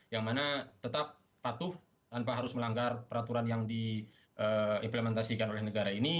yang mana tetap patuh tanpa harus melanggar peraturan yang diimplementasikan oleh negara ini